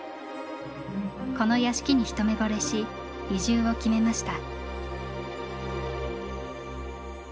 この屋敷に一目ぼれし移住を決めました。